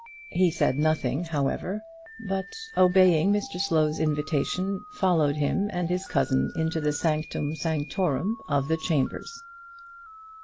He said nothing, however; but, obeying Mr Slow's invitation, followed him and his cousin into the sanctum sanctorum of the chambers.